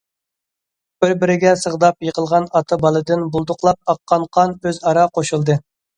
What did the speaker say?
بىر- بىرىگە سىغداپ يىقىلغان ئاتا بالىدىن بۇلدۇقلاپ ئاققان قان ئۆز- ئارا قوشۇلدى.